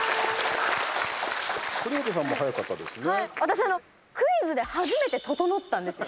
国本さんも早かったですね。